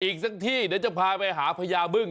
อีกสักที่เดี๋ยวจะพาไปหาพญาบึ้ง